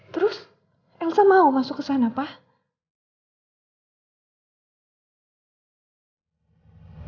terus elsa mau masuk ke sana pak